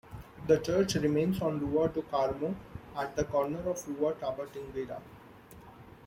The church remains on Rua do Carmo at the corner of Rua Tabatinguera.